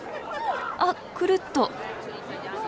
あっクルッと。